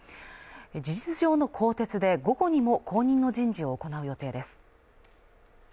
事実上の更迭で午後にも後任の人事を行う予定です